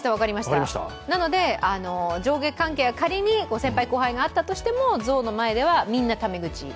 なので、上限関係が仮に先輩後輩があったとしてもゾウの前ではみんなタメ口。